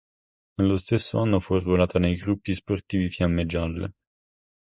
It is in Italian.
Nello stesso anno fu arruolata nei Gruppi Sportivi Fiamme Gialle.